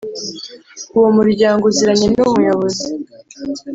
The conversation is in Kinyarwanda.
uwo muryango uziranye n Umuyobozi